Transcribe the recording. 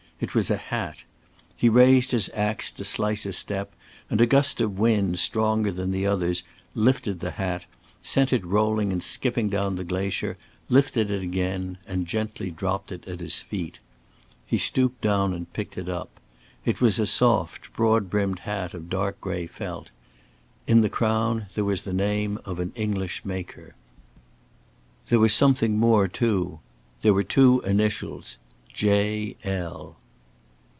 It was a hat. He raised his ax to slice a step and a gust of wind, stronger than the others, lifted the hat, sent it rolling and skipping down the glacier, lifted it again and gently dropped it at his feet. He stooped down and picked it up. It was a soft broad brimmed hat of dark gray felt. In the crown there was the name of an English maker. There was something more too. There were two initials J.L.